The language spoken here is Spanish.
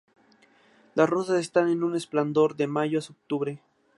Las rosas están en su esplendor de mayo a octubre.